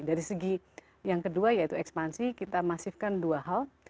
dari segi yang kedua yaitu ekspansi kita masifkan dua hal